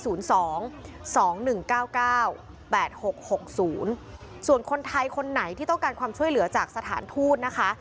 ส่วนคนไทยคนไหนที่ต้องการความช่วยเหลือจากสถานทูตนะคะ